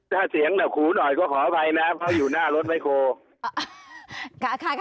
ถ้าเสียงขูหน่อยก็ขออภัยนะครับเขาอยู่หน้ารถไบโคล